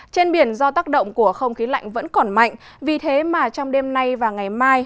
trên biển do tác động của không khí lạnh vẫn còn mạnh vì thế mà trong đêm nay và ngày mai